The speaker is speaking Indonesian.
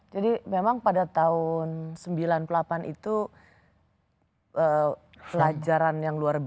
jadi memang pada tahun seribu sembilan ratus sembilan puluh delapan itu